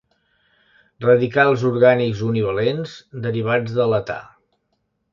Radicals orgànics univalents derivats de l'età.